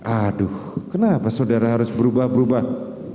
aduh kenapa saudara harus berubah berubah